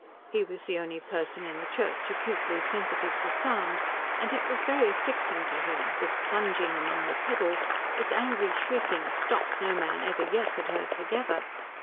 He was the only person in the church acutely sensitive to sound, and it was very afflicting to him, this plunging among the pedals, this angry shrieking of stops no man ever yet had heard together.